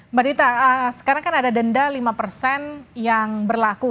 mbak dita sekarang kan ada denda lima persen yang berlaku